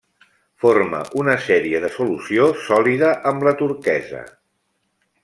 Forma una sèrie de solució sòlida amb la turquesa.